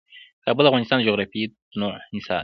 کابل د افغانستان د جغرافیوي تنوع مثال دی.